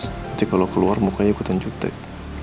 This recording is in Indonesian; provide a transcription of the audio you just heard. nanti kalo keluar mukanya ikutan jutek